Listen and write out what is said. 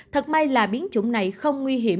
thật may là biến chủng này không nguy hiểm